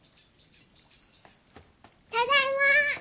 ただいま！